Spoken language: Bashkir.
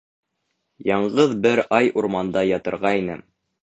— Яңғыҙ бер ай урманда ятырға ине.